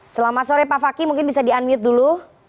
selamat sore pak fakih mungkin bisa di unmute dulu